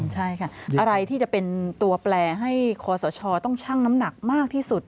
ใช่ค่ะอะไรที่จะเป็นตัวแปลให้คอสชต้องชั่งน้ำหนักมากที่สุด